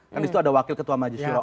kan di situ ada wakil ketua majelis syuroh